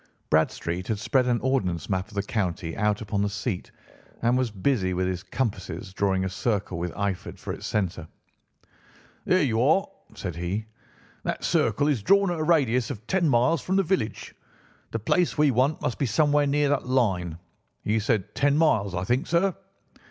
Bradstreet had spread an ordnance map of the county out upon the seat and was busy with his compasses drawing a circle with Eyford for its centre. "There you are," said he. "That circle is drawn at a radius of ten miles from the village. The place we want must be somewhere near that line. You said ten miles, I think, sir."